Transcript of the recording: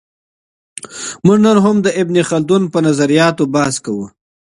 موږ نن هم د ابن خلدون په نظریاتو بحث کوو.